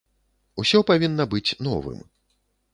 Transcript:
Усё павінна быць новым.